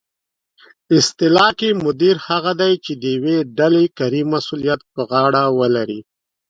اصطلاح کې مدیر هغه دی چې د یوې ډلې کاري مسؤلیت په غاړه ولري